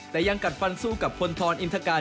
แต่ยังกัดฟันสู้กับพลทรอินทการ